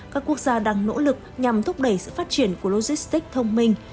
các quốc gia đang nỗ lực nhằm thúc đẩy sự phát triển của logistics thông minh